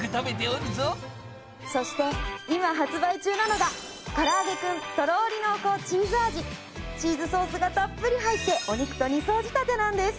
そして今発売中なのがチーズソースがたっぷり入ってお肉と２層仕立てなんです。